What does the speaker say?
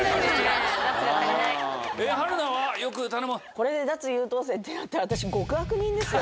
これで脱・優等生ってなったら私極悪人ですよ